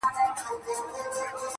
عبث دي راته له زلفو نه دام راوړ,